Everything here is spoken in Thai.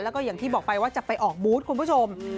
แล้วก็อย่างที่บอกไปว่าจะไปออกบูธคุณผู้ชม